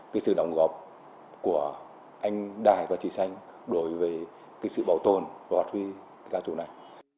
cái sự đóng góp của anh đài và chị xanh đối với cái sự bảo tồn hoặc huy ca chủ này